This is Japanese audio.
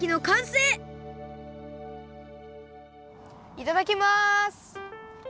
いただきます！